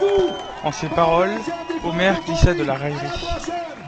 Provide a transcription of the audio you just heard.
En ces paroles, Omer glissa de la raillerie.